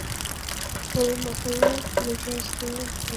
উপরমহলের মেজাজমর্জি বোঝার চেষ্টা করছি, বলতে পারেন।